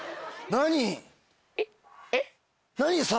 何。